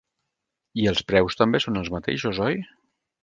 I els preus també són els mateixos, oi?